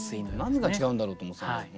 何が違うんだろうと思ってたんだけど。